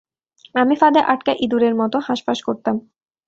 আমি ফাঁদে আটকা ইঁদুরের মতো হাঁসফাঁস করতাম।